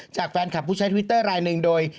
จากแฟนคลับผู้ใช้ทวิตเตอร์รายหนึ่งโดย